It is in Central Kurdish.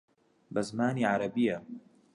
بە زمانی عەرەبییە